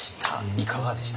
いかがでした？